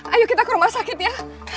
ayo kita ke rumah sakit ya